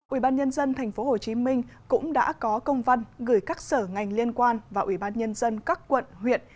ủy ban nhân dân tp hcm cũng đã có công văn gửi các sở ngành liên quan và ủy ban nhân dân các quận huyện